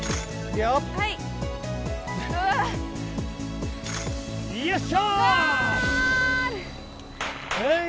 よいしょ！